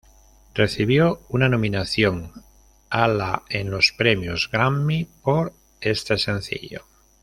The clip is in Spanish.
Recibió una nominación a la en los premios Grammy por este sencillo.